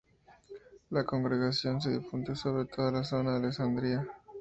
La congregación se difundió sobre toda la zona de Alessandria.